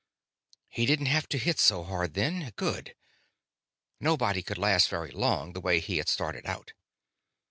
He didn't have to hit so hard, then. Good. Nobody could last very long, the way he had started out.